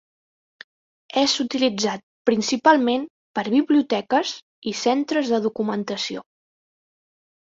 És utilitzat principalment per biblioteques i centres de documentació.